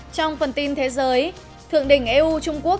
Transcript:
trong phần tin thế giới thượng đỉnh eu trung quốc